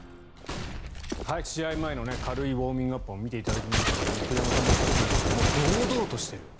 試合前の軽いウォーミングアップを見ていただきましたけど栗山さんもおっしゃっていましたが堂々としている。